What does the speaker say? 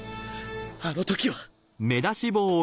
あの時は。